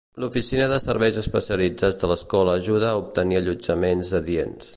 L'oficina de Serveis Especialitzats de l'escola ajuda a obtenir allotjaments adients.